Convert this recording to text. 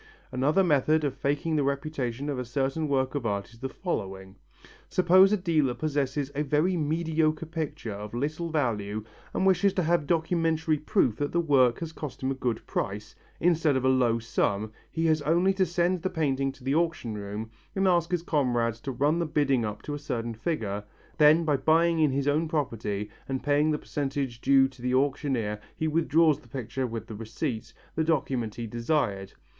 Another method of faking the reputation of a certain work of art is the following. Suppose a dealer possesses a very mediocre picture of little value and wishes to have documentary proof that the work has cost him a good price, instead of a low sum, he has only to send the painting to the auction room and ask his comrades to run the bidding up to a certain figure, then by buying in his own property and paying the percentage due to the auctioneer he withdraws the picture with the receipt, the document he desired.